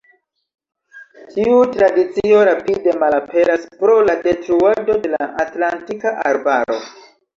Tiu tradicio rapide malaperas pro la detruado de la atlantika arbaro.